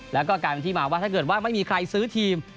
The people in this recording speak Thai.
แล้วก็กลายเป็นที่มาว่าถ้าเกิดว่าไม่มีใครซื้อทีม